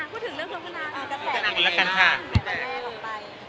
พูดถึงเรื่องคุณผู้น้ำก็แสดีนะครับ